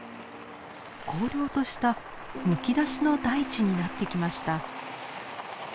荒涼としたむき出しの大地になってきました。